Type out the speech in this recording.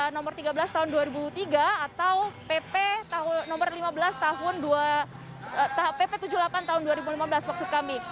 nomor tiga belas tahun dua ribu tiga atau pp nomor lima belas tahun pp tujuh puluh delapan tahun dua ribu lima belas maksud kami